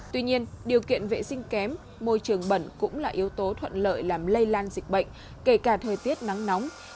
tuy nhiên điều kiện vệ sinh kém môi trường bẩn cũng là yếu tố thuận lợi làm lây lan dịch bệnh kể cả thời tiết nắng nóng